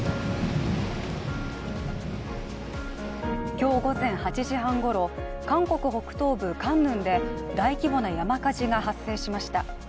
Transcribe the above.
今日午前８時半ごろ、韓国北東部カンヌンで大規模な山火事が発生しました。